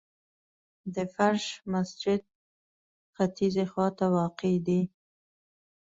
د فرش مسجد ختیځي خواته واقع دی.